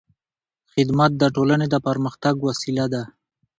خدمت د ټولنې د پرمختګ وسیله ده.